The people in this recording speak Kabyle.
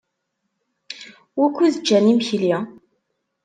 Wukud ččan imekli?